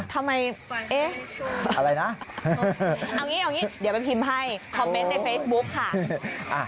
ทำไมเอ๊ะอะไรนะเอางี้เอางี้เดี๋ยวไปพิมพ์ให้คอมเมนต์ในเฟซบุ๊กค่ะ